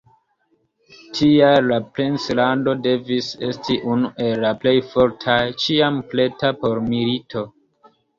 Tial la princlando devis esti unu el la plej fortaj, ĉiam preta por milito.